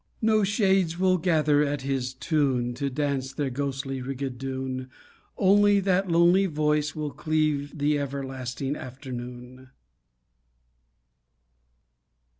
No shades will gather at his tune To dance their ghostly rigadoon, Only that lonely voice will cleave The everlasting afternoon.